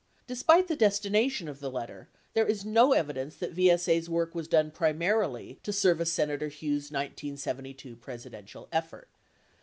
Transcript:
13 (Despite the destination of the letter, there is no evi dence that VSA's work was done primarily to service Senator Hughes' 1972 Presidential effort.)